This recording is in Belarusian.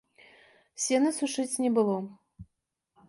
Сена сушыць не было.